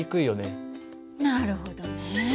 なるほどね。